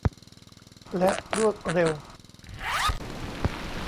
และรวดเร็ว